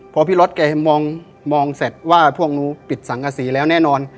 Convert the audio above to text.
พอพี่ล็อตแก่มองมองเสร็จว่าพวกนู้นปิดสังกษีแล้วแน่นอน